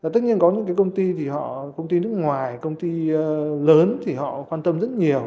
tất nhiên có những công ty nước ngoài công ty lớn thì họ quan tâm rất nhiều